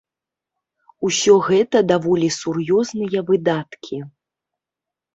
Усё гэта даволі сур'ёзныя выдаткі.